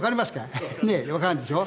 ねえ分からんでしょ？